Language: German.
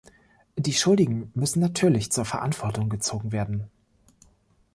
Die Schuldigen müssen natürlich zur Verantwortung gezogen werden.